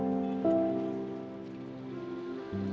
aku emang kecewa banget